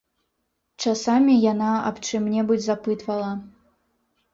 Часамі яна аб чым-небудзь запытвала.